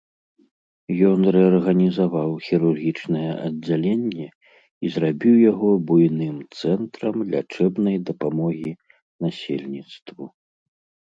Ён рэарганізаваў хірургічнае аддзяленне і зрабіў яго буйным цэнтрам лячэбнай дапамогі насельніцтву.